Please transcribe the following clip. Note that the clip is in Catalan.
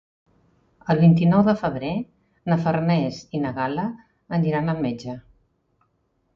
El vint-i-nou de febrer na Farners i na Gal·la aniran al metge.